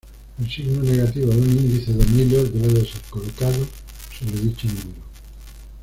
El signo negativo de un índice de Miller debe ser colocado sobre dicho número.